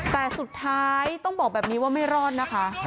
แต่สุดท้ายต้องบอกแบบนี้ว่าไม่รอดนะคะ